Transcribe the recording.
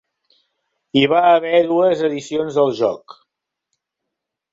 Hi va haver dues edicions del joc.